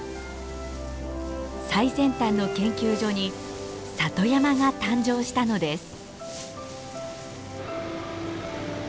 最先端の研究所に里山が誕生したのです。